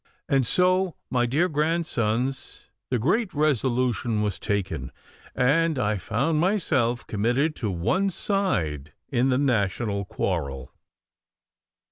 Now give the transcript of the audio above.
And so, my dear grandsons, the great resolution was taken, and I found myself committed to one side in the national quarrel.